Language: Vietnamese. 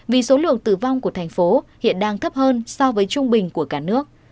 vì số lượng tử vong của thành phố hiện đang thấp hơn so với trung bình của cả nước